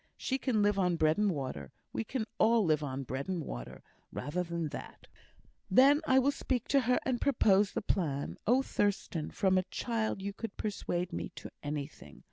She can live on bread and water. We can all live on bread and water rather than that." "Then I will speak to her and propose the plan. Oh, Thurstan! from a child you could persuade me to anything!